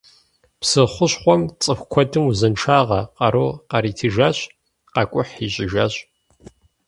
Псы хущхъуэм цӀыху куэдым узыншагъэ, къару къаритыжащ, къакӀухь ищӀыжащ.